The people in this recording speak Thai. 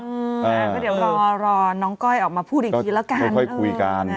ก็เดี๋ยวรอน้องก้อยออกมาพูดอีกทีแล้วกันค่อยคุยกัน